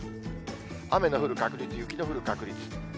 雨の降る確率、雪の降る確率。